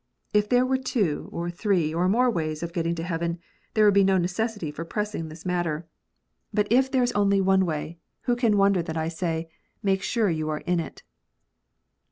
If there were two, or three, or more ways of getting to heaven, there would be no necessity for pressing this matter. 42 KNOTS UNTIED. But if there is only one way, who can wonder that I say, "Make sure that you are in it."